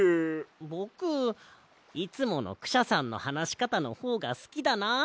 ぼくいつものクシャさんのはなしかたのほうがすきだな。